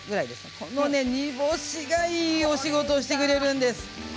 この煮干しが、いいお仕事をしてくれるんです。